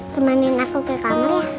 temenin aku ke kamar ya